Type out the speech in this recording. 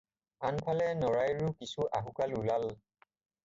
আন ফালে নৰাইৰো কিছু আহুকাল ওলাল।